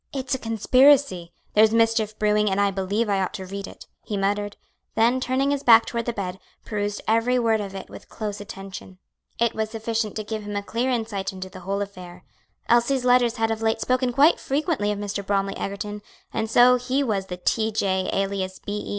"It's a conspiracy; there's mischief brewing, and I believe I ought to read it," he muttered; then, turning his back toward the bed, perused every word of it with close attention. It was sufficient to give him a clear insight into the whole affair. Elsie's letters had of late spoken quite frequently of Mr. Bromly Egerton, and so he was the "T. J., alias B. E."